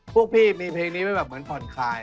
พวกพี่มีเพลงนี้ไม่แบบเหมือนผ่อนคลาย